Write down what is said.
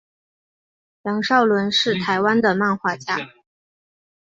杨邵伦是台湾的漫画家。